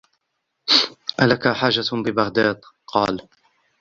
أَلَكَ حَاجَةٌ بِبَغْدَادَ ؟ قَالَ